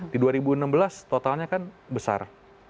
di dua ribu enam belas totalnya kan besar